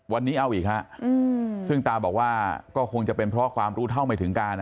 วันนี้เอาอีกฮะซึ่งตาบอกว่าก็คงจะเป็นเพราะความรู้เท่าไม่ถึงการ